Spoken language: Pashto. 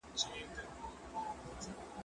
سیر وکړه!؟